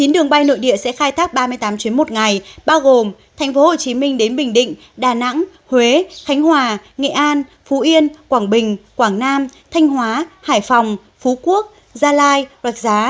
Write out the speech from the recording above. chín đường bay nội địa sẽ khai thác ba mươi tám chuyến một ngày bao gồm tp hcm đến bình định đà nẵng huế khánh hòa nghệ an phú yên quảng bình quảng nam thanh hóa hải phòng phú quốc gia lai rạch giá